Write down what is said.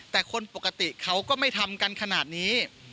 แต่คนปกติเขาก็ไม่ทำกันขนาดนี้